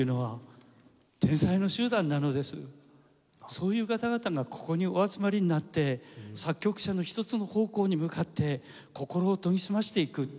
そういう方々がここにお集まりになって作曲者の一つの方向に向かって心を研ぎ澄ましていく。